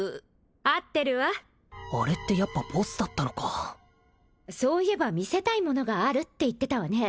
合ってるわあれってやっぱボスだったのかそういえば見せたいものがあるって言ってたわね